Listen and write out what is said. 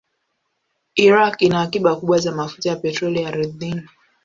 Iraq ina akiba kubwa za mafuta ya petroli ardhini.